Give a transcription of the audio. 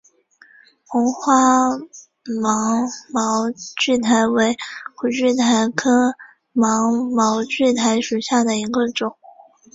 红花芒毛苣苔为苦苣苔科芒毛苣苔属下的一个种。